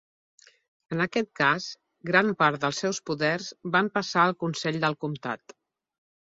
En aquest cas, gran part del seus poders van passar al consell del comtat.